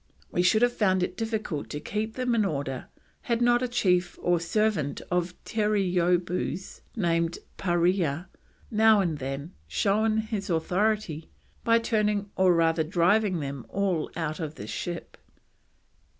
We should have found it difficult to have kept them in order had not a chief or servant of Terreeoboo's, named Parea, now and then [shown] his authority by turning or rather driving them all out of the ship.